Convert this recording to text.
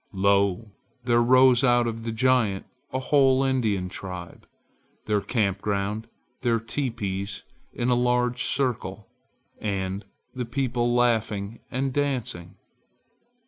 Lo! there rose out of the giant a whole Indian tribe: their camp ground, their teepees in a large circle, and the people laughing and dancing.